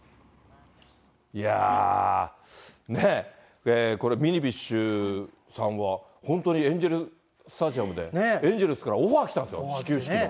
いやー、ねえ、これ、ミニビッシュさんは、本当にエンジェルスタジアムでエンジェルスからオファー来たんですよ、始球式の。